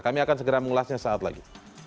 kami akan segera mengulasnya saat lagi